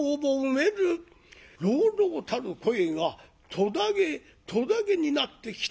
朗々たる声が途絶げ途絶げになってきた